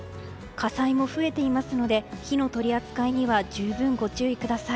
火災も増えていますので火の取り扱いには十分ご注意ください。